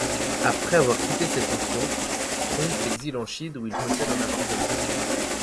Après avoir quitté ses fonctions, Strong s'exile en Chine où il possède un appartement.